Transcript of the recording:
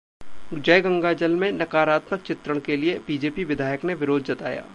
‘जय गंगाजल’ में नकारात्मक चित्रण के लिए बीजेपी विधायक ने विरोध जताया